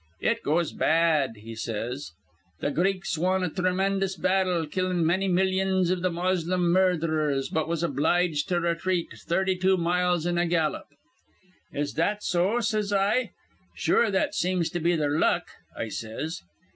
'It goes bad,' he says. 'Th' Greeks won a thremenjous battle, killin' manny millions iv th' Moslem murdherers, but was obliged to retreat thirty two miles in a gallop.' 'Is that so?' says I. 'Sure that seems to be their luck,' I says.